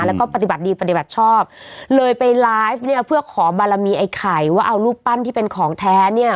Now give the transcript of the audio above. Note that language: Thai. แล้วก็ปฏิบัติดีปฏิบัติชอบเลยไปไลฟ์เนี่ยเพื่อขอบารมีไอ้ไข่ว่าเอารูปปั้นที่เป็นของแท้เนี่ย